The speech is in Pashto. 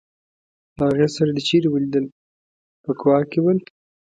له هغې سره دي چېرې ولیدل په کوا کې ول.